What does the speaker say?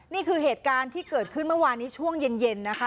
นี่คือเหตุการณ์ที่เกิดขึ้นเมื่อวานนี้ช่วงเย็นนะคะ